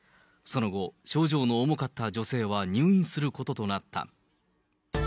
その後、症状の重かった女性は入院することとなった。